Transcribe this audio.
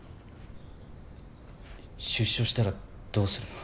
出所したらどうするの？